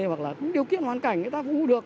hoặc là điều kiện hoàn cảnh người ta phục vụ được